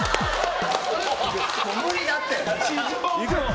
無理だって！